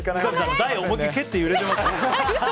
台を思い切り蹴って揺れてますよ。